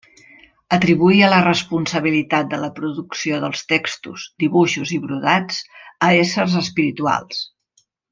Atribuïa la responsabilitat de la producció dels textos, dibuixos i brodats a éssers espirituals.